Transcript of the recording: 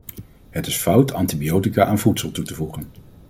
Het is fout antibiotica aan voedsel toe te voegen.